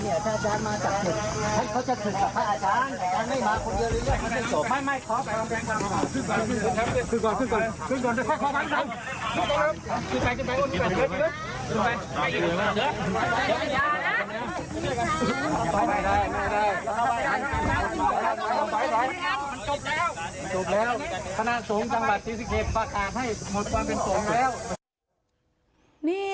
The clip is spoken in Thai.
คุณผู้ชมรักกรรมโมอายุห้าสิบเก้าปี